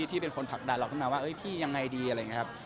ที่เป็นคนผลักดันเราขึ้นมาว่าพี่ยังไงดีอะไรอย่างนี้ครับ